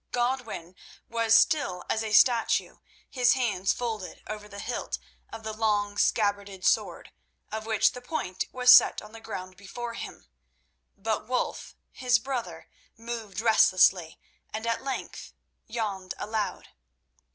Godwin was still as a statue, his hands folded over the hilt of the long, scabbarded sword, of which the point was set on the ground before him, but Wulf, his brother, moved restlessly, and at length yawned aloud.